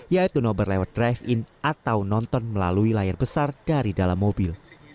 yaitu nobar lewat drive in atau nonton melalui layar besar dari dalam mobil